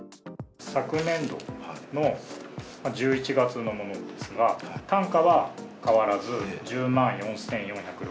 昨年度の１１月のものですが、単価は変わらず１０万４４６０円。